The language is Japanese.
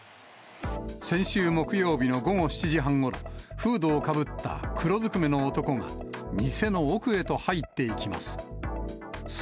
先週木曜日の午後７時半ごろ、フードをかぶった黒ずくめの男が、店の奥へと入っていきます。